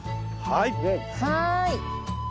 はい。